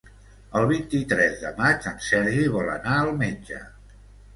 El vint-i-tres de maig en Sergi vol anar al metge.